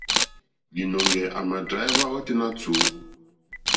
Līnɔ̄ŋgɛ̄ à mà dráíhwá ôténá tùú.